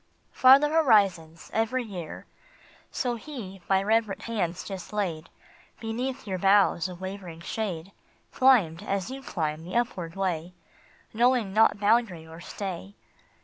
" Farther horizons every year !" So he, by reverent hands just laid Beneath your boughs of wavering shade, Climbed as you climb the upward way, Knowing not boundary or stay.